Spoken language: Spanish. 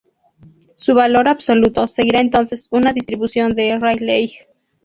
Su valor absoluto seguirá entonces una distribución de Rayleigh.